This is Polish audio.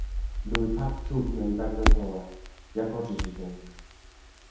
"Były tak cudne i tak wesołe, jak oczy dziecięce."